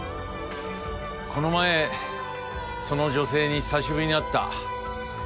この前その女性に久しぶりに会った。